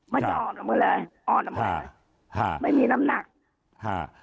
มันจะอ่อนออกไปเลยอ่อนออกไปเลยฮ่าฮ่าไม่มีน้ำหนักฮ่า